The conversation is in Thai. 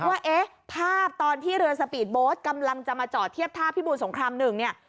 ว่าเอ๊ะภาพตอนที่เรือสปีดโบสต์กำลังจะมาจอดเทียบท่าพิบูรสงครามหนึ่งเนี่ย